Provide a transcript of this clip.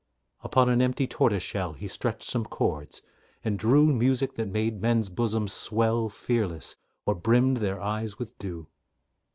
Upon an empty tortoise shell He stretched some chords, and drew Music that made men's bosoms swell Fearless, or brimmed their eyes with dew.